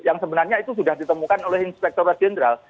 yang sebenarnya itu sudah ditemukan oleh inspektor general